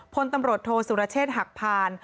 พลตำรวจโทษสุรเชษฐ์หักพาน